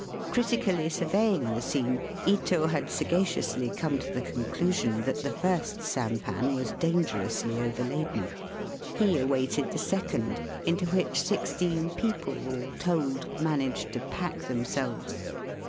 Critically surveying the scene, Ito had sagaciously come to the con clusion that the first sampan was dangerously overladen. He awaited the second, into which sixteen people all told managed to pack them selves.